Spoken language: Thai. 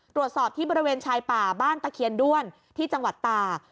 ตรวจสอบที่บริเวณชายป่าบ้านตะเคียนด้วนที่จังหวัดตาก